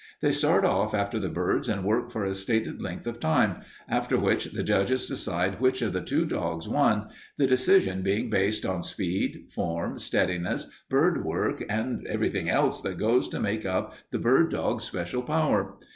They start off after the birds and work for a stated length of time, after which the judges decide which of the two dogs won, the decision being based on speed, form, steadiness, bird work, and everything else that goes to make up the bird dog's special power.